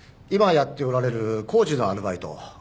今やっておられる工事のアルバイト。